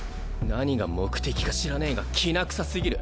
何が目的か知らねぇがきな臭すぎる。